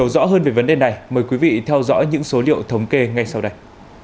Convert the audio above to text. hiểu rõ hơn về vấn đề này mời quý vị theo dõi những số liệu thống kê ngay sau đây